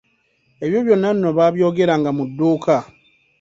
Ebyo byonna nno baabyogeranga mu dduuka.